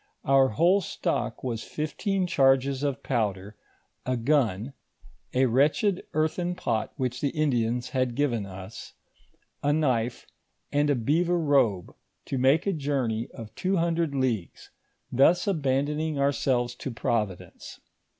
Our whole stock was fifteen charges of powder, a gun, a wretched earthem pot which the Indians had given us, a knife, and a beaver robe, to make a journey of two hundred leagues, thus aban doning ourselves to Providence.